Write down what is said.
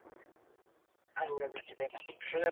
هغه پوه ځوانان چي دوامدار مطالعه کوي خپلي ټولني ته تل ګټه رسوي.